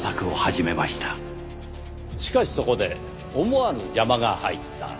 しかしそこで思わぬ邪魔が入った。